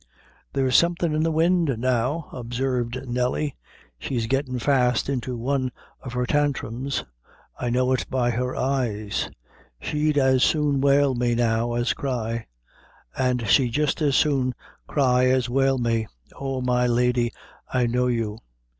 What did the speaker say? "There's something in the wind now," observed Nelly; "she's gettin' fast into one o' her tantrums. I know it by her eyes; she'd as soon whale me now as cry; and she'd jist as soon cry as whale me. Oh! my lady, I know you.